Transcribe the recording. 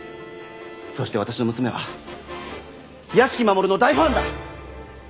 そして私の娘は屋敷マモルの大ファンだ！